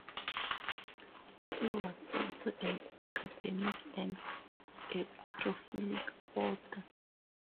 He was also an academic and a prolific author.